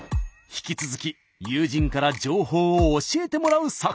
引き続き友人から情報を教えてもらう作戦。